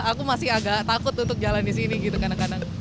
aku masih agak takut untuk jalan di sini gitu kadang kadang